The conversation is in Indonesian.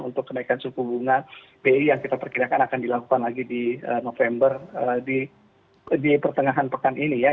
untuk kenaikan suku bunga bi yang kita perkirakan akan dilakukan lagi di november di pertengahan pekan ini ya